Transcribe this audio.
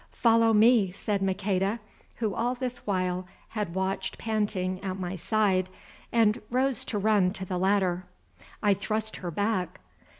"Follow me," said Maqueda, who all this while had watched panting at my side, and rose to run to the ladder. I thrust her back.